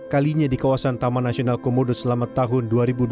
kalinya di kawasan taman nasional komodo selama tahun dua ribu dua puluh